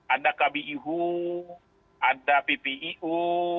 ada kbiu ada pbiu